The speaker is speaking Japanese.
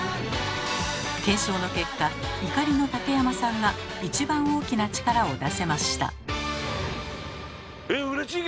検証の結果怒りの竹山さんが一番大きな力を出せました。